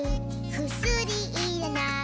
「くすりいらない」